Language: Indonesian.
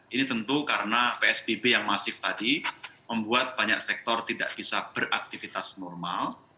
ini tentu karena psbb yang masif tadi membuat banyak sektor tidak bisa beraktivitas normal